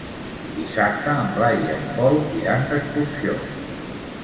Dissabte en Blai i en Pol iran d'excursió.